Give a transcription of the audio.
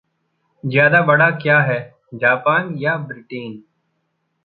ज़्यादा बड़ा क्या है, जापान या ब्रिटेन?